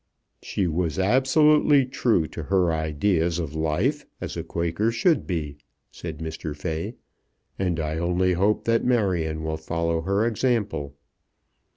"She was absolutely true to her ideas of life, as a Quaker should be," said Mr. Fay, "and I only hope that Marion will follow her example.